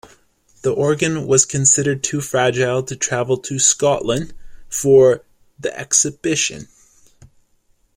The organ was considered too fragile to travel to Scotland for the exhibition.